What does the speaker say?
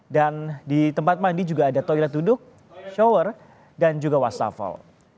dan di tempat mandi juga ada toilet duduk shower dan juga wastafel